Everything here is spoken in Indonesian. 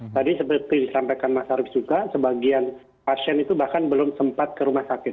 tadi seperti disampaikan mas arief juga sebagian pasien itu bahkan belum sempat ke rumah sakit